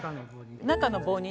中の棒に。